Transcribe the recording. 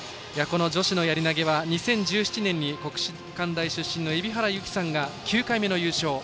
女子のやり投げは２０１７年に国士舘大出身の海老原有希さんが９回目の優勝。